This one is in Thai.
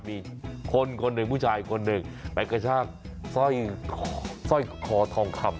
มีคนคนหนึ่งผู้ชายคนหนึ่งไปกระชากสร้อยคอทองคำ